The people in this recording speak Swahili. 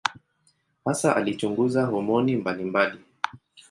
Hasa alichunguza homoni mbalimbali.